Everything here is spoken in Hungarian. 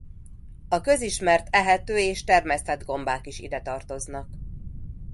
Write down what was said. A közismert ehető és termesztett gombák is idetartoznak.